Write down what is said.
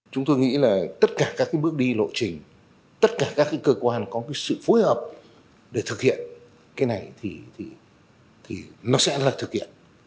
chúng tôi nghĩ là tất cả các bước đi lộ trình tất cả các cơ quan có cái sự phối hợp để thực hiện cái này thì nó sẽ là thực hiện